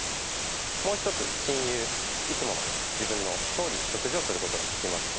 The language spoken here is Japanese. もう一つ「親友」いつもの自分のとおり食事をすることができました。